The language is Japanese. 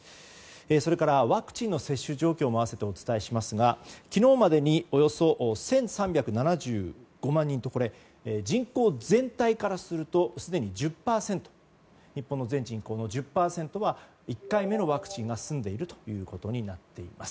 それから、ワクチンの接種状況も併せてお伝えしますが昨日までにおよそ１３７５万人と人口全体からするとすでに１０％日本の全人口の１０％は１回目のワクチンが済んでいるということになっています。